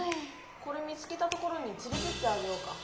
これ見つけたところにつれてってあげようか？